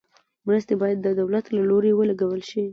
مرستې باید د دولت له لوري ولګول شي.